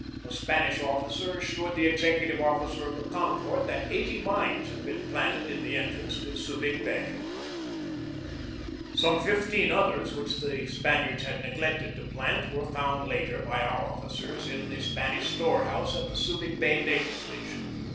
A Spanish officer assured the executive officer of the Concord that eighty mines had been planted in the entrance to Subig Bay. 202 GEORGE DEWEY Some fifteen others which the Spaniards had neglected to plant were found later by our officers in the Span ish storehouse at the Subig Bay naval station.